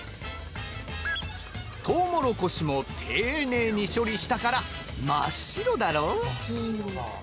とうもろこしも丁寧に処理したから真っ白だろ！